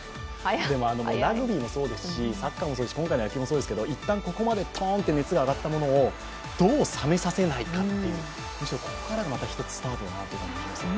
でも、ラグビーもそうですしサッカーもそうですし今回の野球もそうですけど、一旦ここまで熱が上がったものをどう冷めさせないかという、むしろここからがまた一つスタートかなと思います。